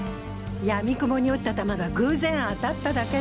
やみくもに撃った弾が偶然当たっただけで。